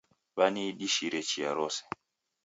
W'aniidishire chia rose